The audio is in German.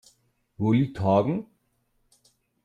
Wo liegt Hagen?